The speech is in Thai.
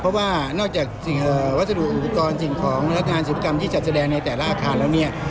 เพราะว่านอกจากสิ่งวัสดุอุปกรณ์สิ่งของเนื้องานศิลปกรรมที่จัดแสดงในแต่ละอาคารแล้วเนี่ย